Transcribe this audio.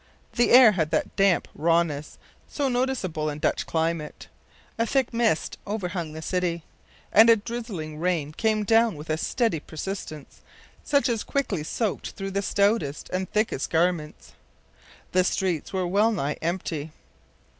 The air had that damp rawness so noticeable in Dutch climate, a thick mist overhung the city, and a drizzling rain came down with a steady persistence such as quickly soaked through the stoutest and thickest garments. The streets were well nigh empty.